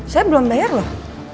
saya belum bayar loh